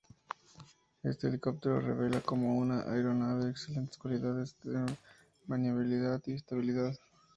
Este helicóptero se revela como una aeronave de excelentes cualidades de maniobrabilidad y estabilidad.